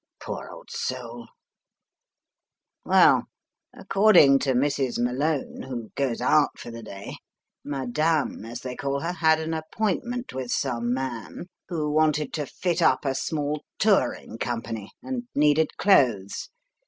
Poor old soul. "Well, according to Mrs. Malone, who goes out for the day, Madame, as they call her, had an ap pointment with some man who wanted to fit up a 56 The Riddle of the Purple Emperor small touring company and needed clothes.